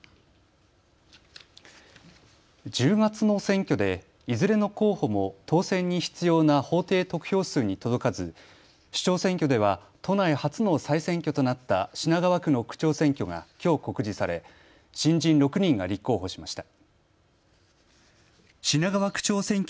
１０月の選挙でいずれの候補も当選に必要な法定得票数に届かず首長選挙では都内初の再選挙となった品川区の区長選挙がきょう告示され新人６人が立候補しました。